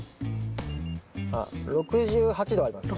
あっ６８度ありますね。